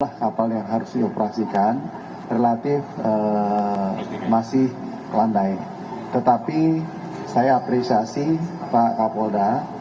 jumlah kapal yang harus dioperasikan relatif masih landai tetapi saya apresiasi pak kapolda